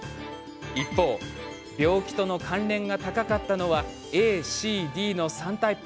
一方、病気との関連が高かったのはＡ、Ｃ、Ｄの３タイプ。